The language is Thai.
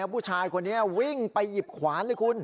ผู้ชายคนนี้วิ่งไปหยิบขวานเลยคุณ